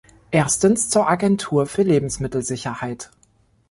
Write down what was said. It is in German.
Erstens zur Agentur für Lebensmittelsicherheit.